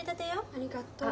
ありがとう。